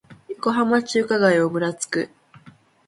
横浜中華街をぶらつく